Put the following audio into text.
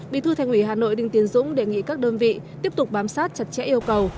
bí thư thành ủy hà nội đinh tiến dũng đề nghị các đơn vị tiếp tục bám sát chặt chẽ yêu cầu